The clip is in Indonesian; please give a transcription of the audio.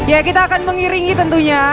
ya kita akan mengiringi tentunya